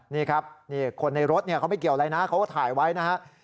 นี่ครับคนในรถเขาไม่เกี่ยวอะไรนะเขาก็ถ่ายไว้นะฮะ